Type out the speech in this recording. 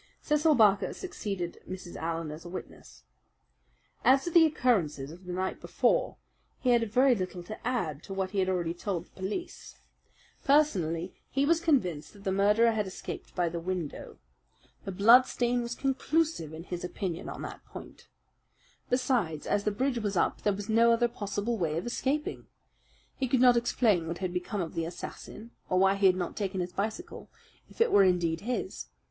Cecil Barker succeeded Mrs. Allen as a witness. As to the occurrences of the night before, he had very little to add to what he had already told the police. Personally, he was convinced that the murderer had escaped by the window. The bloodstain was conclusive, in his opinion, on that point. Besides, as the bridge was up, there was no other possible way of escaping. He could not explain what had become of the assassin or why he had not taken his bicycle, if it were indeed his.